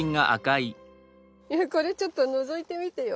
これちょっとのぞいてみてよ